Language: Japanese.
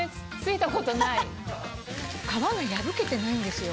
皮が破けてないんですよ。